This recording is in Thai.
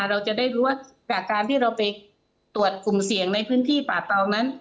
เราจะได้รู้ว่าจากการที่เราไปตรวจกลุ่มเสี่ยงในพื้นที่ป่าเตานั้น